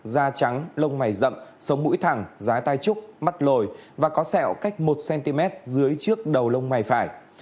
da trắng lông mày rậm sống mũi thẳng giá tai trúc mắt lồi và có sẹo cách một cm dưới trước đầu lông mày phải